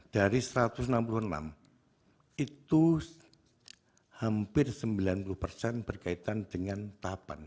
dari satu ratus enam puluh enam itu hampir sembilan puluh persen berkaitan dengan tahapan